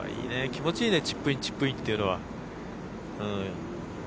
気持ちいいねチップインチップインっていうのは。